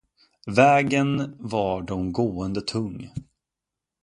Vägen var de gående tung.